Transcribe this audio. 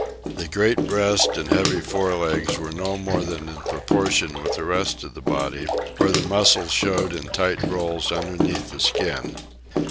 The great breast and heavy fore legs were no more than in proportion with the rest of the body, where the muscles showed in tight rolls underneath the skin.